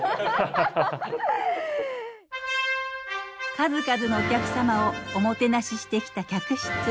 数々のお客様をおもてなししてきた客室。